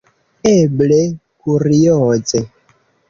Eble kurioze!